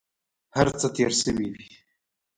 هر څه تېر شوي وي.